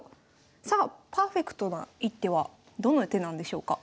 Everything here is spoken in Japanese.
さあパーフェクトな一手はどの手なんでしょうか？